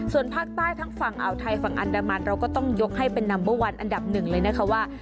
ส่วนภาคใต้ทั้งฝั่งอ่าวไทยฝั่งอันดามันเราก็ต้องยกให้เป็นนัมเบอร์วันอันดับหนึ่งเลยนะคะว่า